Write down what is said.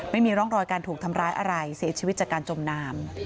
ไม่มีร่องรอยการถูกทำร้ายอะไรเสียชีวิตจากการจมน้ำ